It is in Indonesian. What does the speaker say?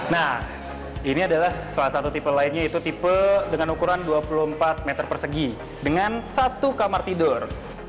nah ini adalah salah satu tipe lainnya yaitu tipe dengan ukuran dua puluh empat meter persegi dengan satu kamar tidur